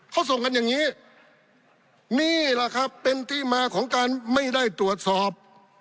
เขาส่งกันอย่างนี้นี่แหละครับเป็นที่มาของการไม่ได้ตรวจสอบ